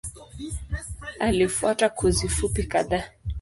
Alifuata kozi fupi kadhaa.